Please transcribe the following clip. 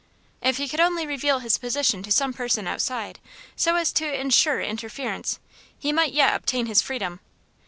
If he could only reveal his position to some person outside, so as to insure interference, he might yet obtain his freedom.